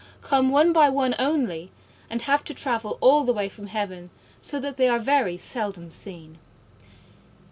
come one by one only, and have to travel all the way from heaven, so that they are very seldom seen.